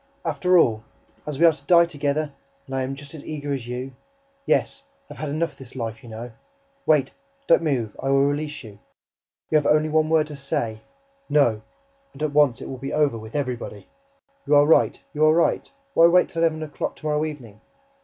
"After all, as we are to die together ... and I am just as eager as you ... yes, I have had enough of this life, you know... Wait, don't move, I will release you ... You have only one word to say: 'NO!' And it will at once be over WITH EVERYBODY! ... You are right, you are right; why wait till eleven o'clock to morrow evening?